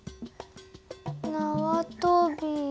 なわとび